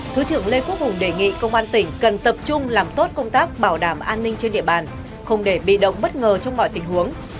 thứ trưởng lê quốc hùng đề nghị công an tỉnh cần tập trung làm tốt công tác bảo đảm an ninh trên địa bàn không để bị động bất ngờ trong mọi tình huống